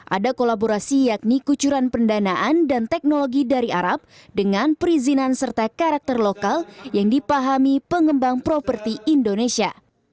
ada kolaborasi yakni kucuran pendanaan dan teknologi dari arab dengan perizinan serta karakter lokal yang dipahami pengembang properti indonesia